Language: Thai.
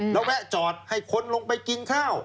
แล้วแวะจอดให้คนลงไปกินข้าว